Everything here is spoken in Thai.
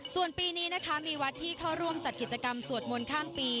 ส่วนปีนี้นะคะมีวัดที่เข้าร่วมจัดกิจกรรมสวดมนต์ข้ามปี